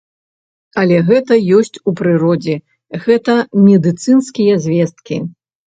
Але гэта ёсць у прыродзе, гэта медыцынскія звесткі.